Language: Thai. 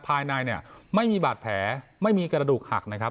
ภายในเนี่ยไม่มีบาดแผลไม่มีกระดูกหักนะครับ